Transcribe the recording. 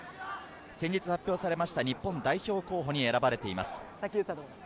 先日発表された日本代表候補に選ばれています。